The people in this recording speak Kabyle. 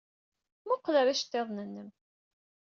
Mmuqqel ɣer yiceḍḍiḍen-nnem!